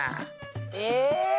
え！